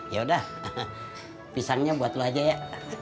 yaudah pisangnya buat lo aja ya